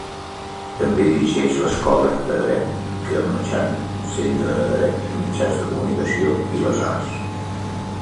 També dirigeix l'escola de dret Kernochan centre de dret, mitjans de comunicació i les Arts.